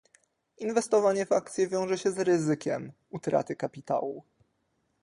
Inwestowanie w akcje wiąże się z ryzykiem utraty kapitału.